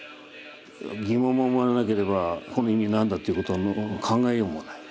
疑問も思わなければこの意味何だ？っていうことも考えようもない。